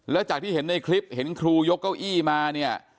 แล้วจากที่เห็นในคลิปเห็นครูยกเก้าอี้มาเนี่ย